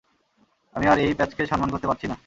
আমি আর এই প্যাচকে সম্মান করতে পারছি না।